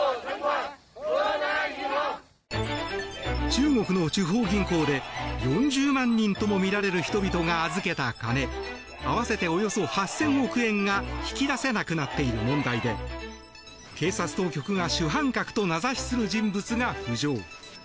中国の地方銀行で４０万人ともみられる人々が預けた金合わせておよそ８０００億円が引き出せなくなっている問題で警察当局が主犯格と名指しする人物が浮上。